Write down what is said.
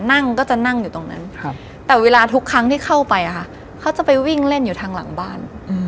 นั่งก็จะนั่งอยู่ตรงนั้นแต่เวลาทุกครั้งที่เข้าไปเขาจะไปวิ่งเล่นอยู่ทางหลังบ้าน